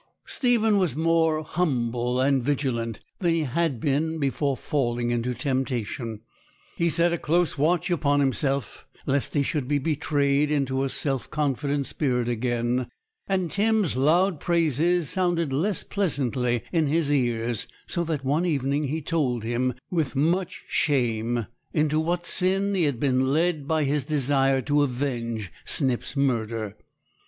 Stephen was more humble and vigilant than he had been before falling into temptation. He set a close watch upon himself, lest he should be betrayed into a self confident spirit again; and Tim's loud praises sounded less pleasantly in his ears, so that one evening he told him, with much shame, into what sin he had been led by his desire to avenge Snip's murder.